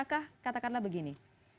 bisa kah katakanlah begini